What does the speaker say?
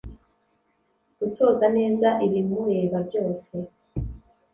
Gusoza neza ibimureba byose